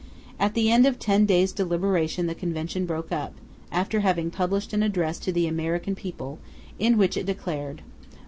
At the end of ten days' deliberation the Convention broke up, after having published an address to the American people, in which it declared: I.